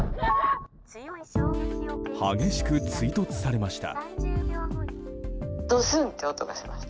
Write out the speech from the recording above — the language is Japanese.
激しく追突されました。